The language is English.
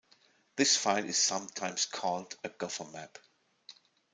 This file is sometimes called a "gophermap".